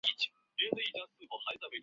全蒙古劳动党是蒙古国的一个政党。